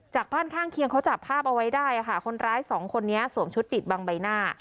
จากบ้านข้างเคียงเขาจับภาพเอาไว้ได้ค่ะคนร้ายสองคนนี้สวมชุดปิดบังใบหน้า